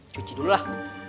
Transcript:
cuci dulu lah